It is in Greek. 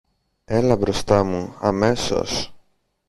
Έλα μπροστά μου, αμέσως!